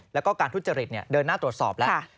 แล้วก็การทุจริตเดินหน้าตรวจสอบแล้ว